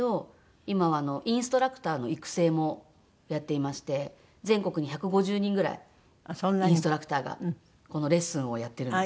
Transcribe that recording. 今はインストラクターの育成もやっていまして全国に１５０人ぐらいインストラクターがこのレッスンをやってるんです。